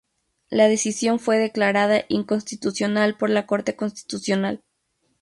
La decisión fue declarada inconstitucional por la Corte Constitucional.